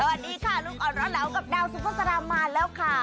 สวัสดีค่ะลูกอ่อนร้อนเหลากับดาวซุปสรรามมาแล้วค่ะ